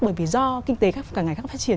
bởi vì do kinh tế càng ngày càng phát triển